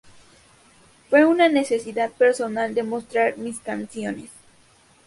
Fue una necesidad personal de mostrar mis canciones.